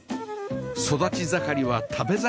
育ち盛りは食べ盛り